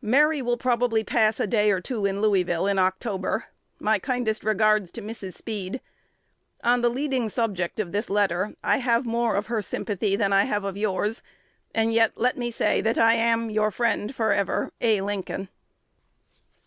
Mary will probably pass a day or two in Louisville in October. My kindest regards to Mrs. Speed. On the leading subject of this letter, I have more of her sympathy than I have of yours; and yet let me say I am Your friend forever, A. Lincoln.